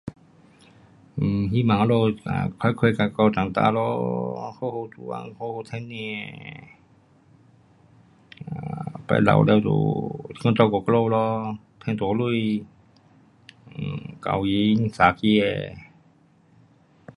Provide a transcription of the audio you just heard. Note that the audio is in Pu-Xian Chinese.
um 希望他们人快快高长大咯，好好做工，好好赚吃，um 我老了就算照顾我们咯，赚大钱，kahwin, 生儿。